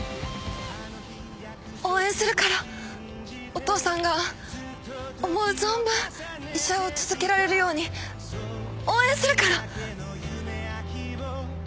お父さんが思う存分医者を続けられるように応援するから！